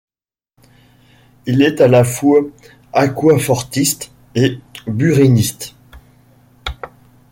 Il est à la fois aquafortiste et buriniste.